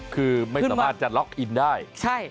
คือไม่สามารถจะล็อกอินได้